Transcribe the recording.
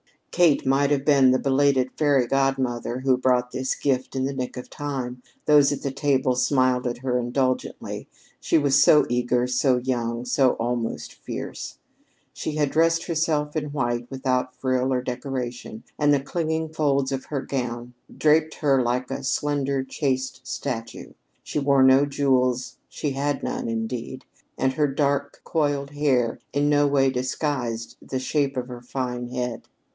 Kate might have been the belated fairy godmother who brought this gift in the nick of time. Those at the table smiled at her indulgently, she was so eager, so young, so almost fierce. She had dressed herself in white without frill or decoration, and the clinging folds of her gown draped her like a slender, chaste statue. She wore no jewels, she had none, indeed, and her dark coiled hair in no way disguised the shape of her fine head.